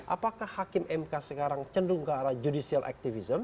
apakah hakim mk sekarang cendung ke arah judicial activism